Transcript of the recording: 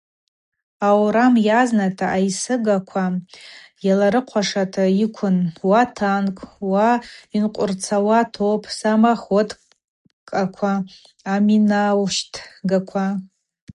Аурам йазната айсыгаква йаларыхъвашата йыквын: уа танкӏ, уа йынкъвырцауа топ – самоходкӏаква, аминаущтгаква.